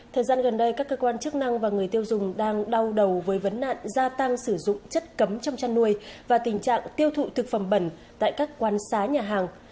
thời gian gần đây các cơ quan chức năng và người tiêu dùng đang đau đầu với vấn nạn gia tăng sử dụng chất cấm trong chăn nuôi và tình trạng tiêu thụ thực phẩm bẩn tại các quan xá nhà hàng